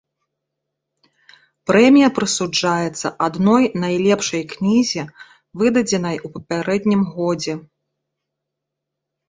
Прэмія прысуджаецца адной найлепшай кнізе, выдадзенай у папярэднім годзе.